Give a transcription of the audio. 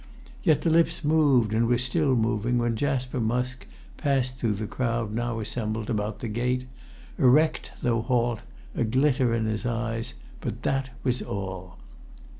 Yet the lips moved, and were still moving when Jasper Musk passed through the crowd now assembled about the gate, erect though halt, a glitter in his eyes, but that was all.